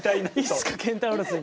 いつかケンタウロスに。